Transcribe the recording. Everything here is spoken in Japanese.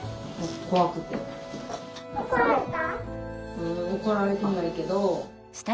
ううん怒られてないけど。